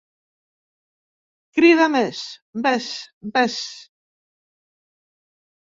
Crida més, més, més.